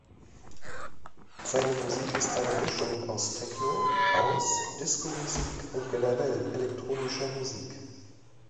Seine Musik ist eine Mischung aus Techno, House, Disco-Musik und generell elektronischer Musik.